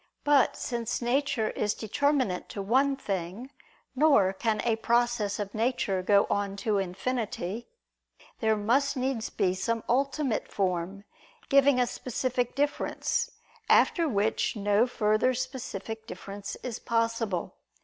But since nature is determinate to one thing, nor can a process of nature go on to infinity, there must needs be some ultimate form, giving a specific difference, after which no further specific difference is possible.